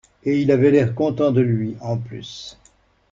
Et il avait l’air content de lui, en plus!